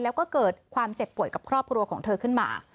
แล้วก็เกิดความเจ็บป่วยกับครอบครัวของเธอขึ้นมา